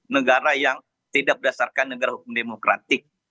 negara yang tidak berdasarkan negara hukum demokratik